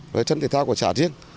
rồi sân thể thao của trạ riêng